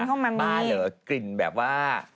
คนเข้ามากลิ่นแบบว่า